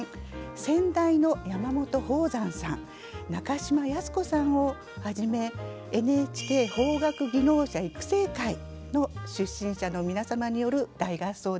先代の山本邦山さん中島靖子さんをはじめＮＨＫ邦楽技能者育成会の出身者の皆様による大合奏です。